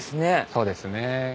そうですね。